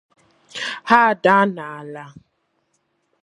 ha adaa n'ala